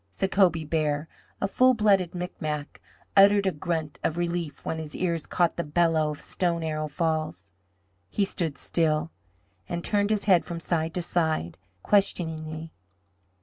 Sacobie Bear, a full blooded Micmac, uttered a grunt of relief when his ears caught the bellow of Stone Arrow Falls. He stood still, and turned his head from side to side, questioningly.